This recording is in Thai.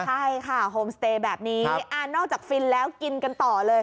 ใช่ค่ะโฮมสเตย์แบบนี้นอกจากฟินแล้วกินกันต่อเลย